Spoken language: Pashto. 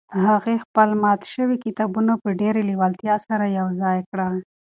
هغې خپل مات شوي کتابونه په ډېرې لېوالتیا سره یو ځای کړل.